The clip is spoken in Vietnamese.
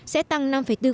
sẽ tăng năm bốn